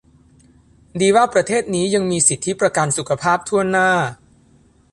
ดีว่าประเทศนี้ยังมีสิทธิประกันสุขภาพถ้วนหน้า